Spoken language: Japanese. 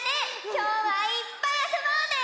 きょうはいっぱいあそぼうね！